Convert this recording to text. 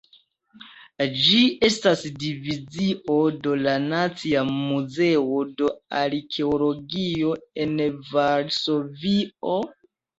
Ĝi estas divizio de la Nacia Muzeo de Arkeologio en Varsovio.